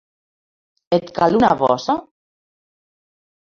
Et cal una bossa?